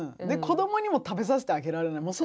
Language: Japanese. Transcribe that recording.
子どもにも食べさせてあげられない。